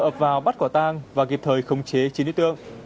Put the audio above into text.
ập vào bắt quả tang và kịp thời khống chế chín đối tượng